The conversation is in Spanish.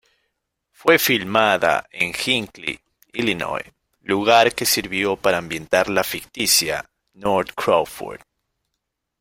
Fue filmada en Hinckley, Illinois, lugar que sirvió para ambientar la ficticia "North Crawford".